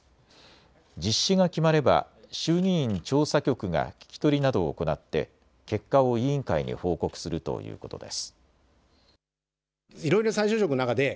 実施が決まれば衆議院調査局が聞き取りなどを行って結果を委員会に報告するということです。